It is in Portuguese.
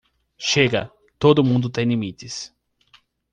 Chega, todo mundo tem limites